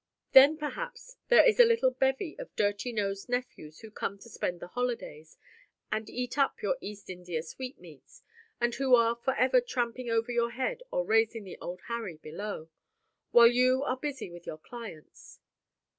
Then, perhaps, there is a little bevy of dirty nosed nephews who come to spend the holidays, and eat up your East India sweetmeats; and who are forever tramping over your head or raising the old Harry below, while you are busy with your clients.